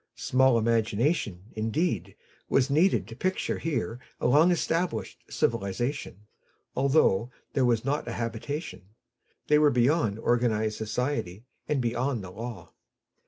Small imagination, indeed, was needed to picture here a long established civilization, although there was not a habitation. They were beyond organized society and beyond the law.